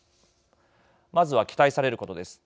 まずは期待されることです。